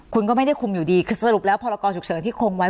คุณก็ไม่ได้คุมอยู่ดีคือสรุปแล้วพรกรฉุกเฉินที่คงไว้